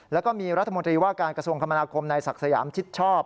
แล้วก็มีรัฐมนตรีว่าการกระทรวงคมนาคมในศักดิ์สยามชิดชอบ